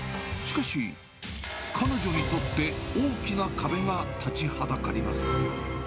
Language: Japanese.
しかし、彼女にとって大きな壁が立ちはだかります。